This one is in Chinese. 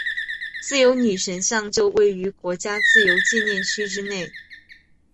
自由女神像就位于国家自由纪念区之内。